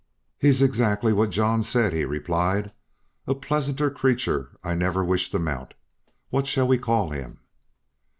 "He is exactly what John said," he replied; "a pleasanter creature I never wish to mount. What shall we call him?"